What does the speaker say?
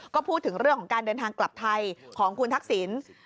ก็พูดถึงเรื่องของการเดินทางกลับไทยของคุณทักษิณ